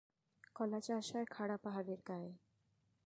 কলা চাষ হয় খাড়া পাহাড়ের গায়ে।